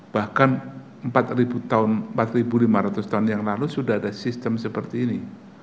bahkan empat lima ratus tahun yang lalu sudah ada sistem seperti ini